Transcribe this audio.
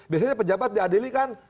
biasanya pejabat diadili kan